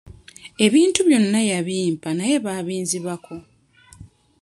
Ebintu byonna yambimpa naye baabinzibako.